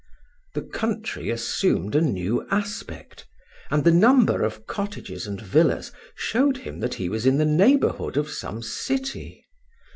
The country assumed a new aspect, and the number of cottages and villas showed him that he was in the neighbourhood of some city.